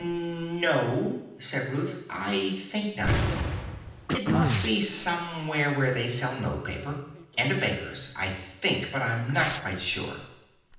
"N no," said Ruth; "I think not. It must be somewhere where they sell note paper, and a baker's, I think; but I'm not quite sure."